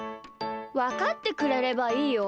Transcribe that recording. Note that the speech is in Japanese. わかってくれればいいよ。